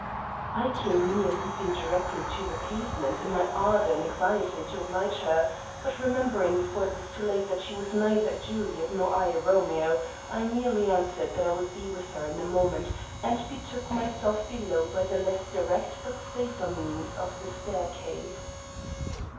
I came near leaping directly to the pavement in my ardor and anxiety to oblige her, but, remembering before it was too late that she was neither a Juliet nor I a Romeo, I merely answered that I would be with her in a moment and betook myself below by the less direct but safer means of the staircase.